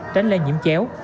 tránh lây nhiễm chéo